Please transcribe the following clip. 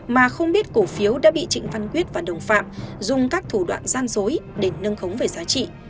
mà không biết cổ phiếu đã bị trịnh văn quyết và đồng phạm dùng các thủ đoạn gian dối để nâng khống về giá trị